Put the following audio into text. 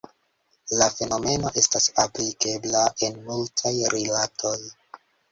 La fenomeno estas aplikebla en multaj rilatoj.